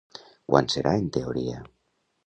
Quan serà en teoria?